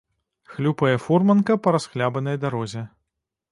Хлюпае фурманка па расхлябанай дарозе.